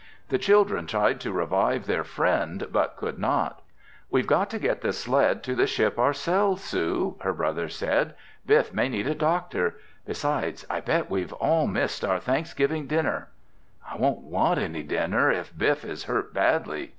The children tried to revive their friend, but could not. "We've got to get the sled to the ship ourselves, Sue!" her brother said. "Biff may need a doctor! Besides, I bet we've all missed our Thanksgiving dinner!" "I won't want any dinner if Biff is hurt badly!"